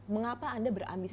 mengapa anda berambisi